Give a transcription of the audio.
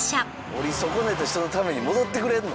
降り損ねた人のために戻ってくれんの？